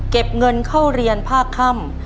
เก็บเงินเข้าเรียนภาคค่ำ